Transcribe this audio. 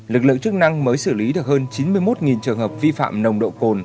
lực lượng chức năng mới xử lý được hơn chín mươi một trường hợp vi phạm nồng độ cồn